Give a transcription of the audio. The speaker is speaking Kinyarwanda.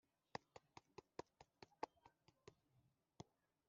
none nkaba ngiye kuwuzuza ?